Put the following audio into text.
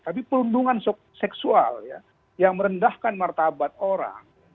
tapi perundungan seksual ya yang merendahkan martabat orang